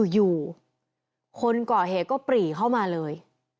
อยู่คนก่อเหตุก็ปรีเข้ามาเลย